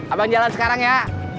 abang jalan sekarang ya